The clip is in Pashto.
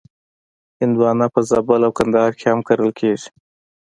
هندوانه په زابل او کندهار کې هم کرل کېږي.